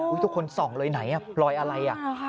ทุกคนส่องเลยไหนรอยอะไร